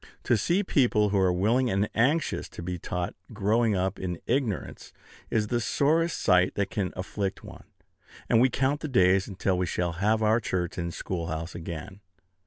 To see people who are willing and anxious to be taught growing up in ignorance is the sorest sight that can afflict one; and we count the days until we shall have our church and schoolhouse again.